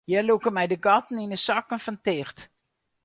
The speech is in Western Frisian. Hjir lûke my de gatten yn de sokken fan ticht.